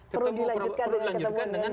perlu dilanjutkan dengan